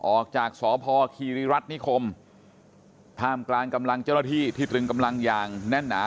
ออกจากสพคีริรัฐนิคมท่ามกลางกำลังเจ้าหน้าที่ที่ตรึงกำลังอย่างแน่นหนา